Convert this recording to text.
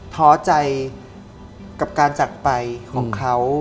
ท้อใจกับการจักรไปของเขา